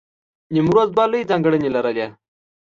نیمروز دوه لوی ځانګړنې لرلې.